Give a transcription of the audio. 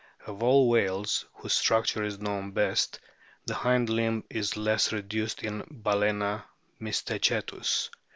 Of all whales, whose structure is known best, the hind limb is less reduced in Balcena mysticetiis.